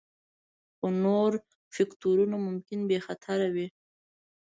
خو نور فکتورونه ممکن بې خطره وي